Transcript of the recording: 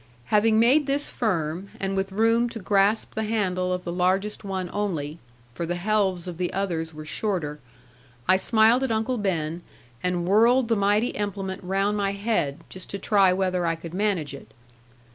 Having made this firm, and with room to grasp the handle of the largest one only for the helves of the others were shorter I smiled at Uncle Ben, and whirled the mighty implement round my head, just to try whether I could manage it.